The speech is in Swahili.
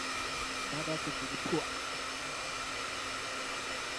baada ya kujilipua katika uwanja wa ndege wa kimataifa domo de devo nchini moscow